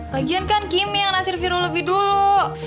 lagian kan kimi yang nasir viro lebih dulu